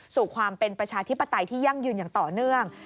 สู่ความเป็นประชาธิปไตยที่ยั่งยืนอย่างต่อเนื่อง